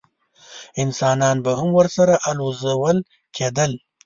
انسانان به هم ورسره الوزول کېدل.